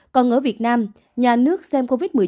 còn ở việt nam nhà nước xem covid một mươi chín